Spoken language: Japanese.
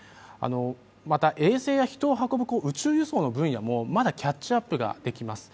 また衛星が人を運ぶ宇宙輸送の分野もまだキャッチアップできます。